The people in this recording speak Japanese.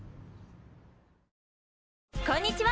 こんにちは！